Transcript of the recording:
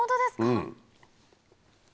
うん。